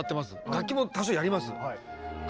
楽器も多少やります。